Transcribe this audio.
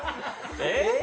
えっ？